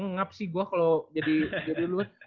nge up sih gue kalau jadi lu